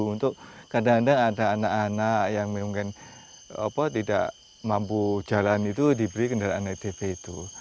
untuk kadang kadang ada anak anak yang mungkin tidak mampu jalan itu diberi kendaraan etv itu